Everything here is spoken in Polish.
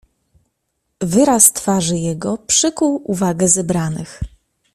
"Wyraz twarzy jego przykuł uwagę zebranych."